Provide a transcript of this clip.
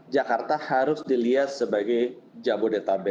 jakarta harus dilihat sebagai jabodetabek